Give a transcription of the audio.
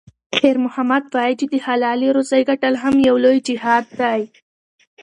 خیر محمد وایي چې د حلالې روزۍ ګټل هم یو لوی جهاد دی.